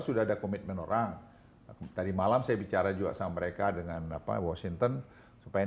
sudah ada komitmen orang tadi malam saya bicara juga sama mereka dengan apa washington supaya